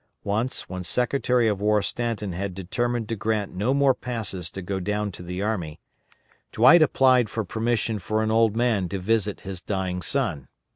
Once, when Secretary of War Stanton had determined to grant no more passes to go down to the army, Dwight applied for permission for an old man to visit his dying son.